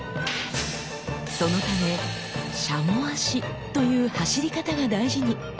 そのため「軍鶏足」という走り方が大事に。